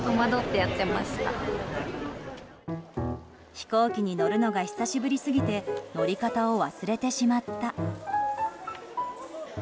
飛行機に乗るのが久しぶりすぎて乗り方を忘れてしまった。